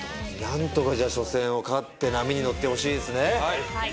何とかじゃあ初戦を勝って波に乗ってほしいですね。